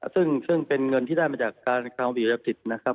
ซึ่งเป็นเงินที่ได้มาจากการคาวีรกิจนะครับ